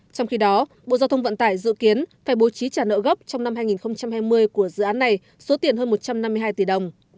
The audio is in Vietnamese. trong khi đó bộ giao thông vận tải dự kiến phải bố trí trả nợ gốc trong năm hai nghìn hai mươi của dự án này số tiền hơn một trăm năm mươi hai tỷ đồng